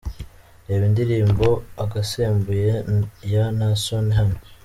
Reba indirimbo Agasembuye ya Naason hano:.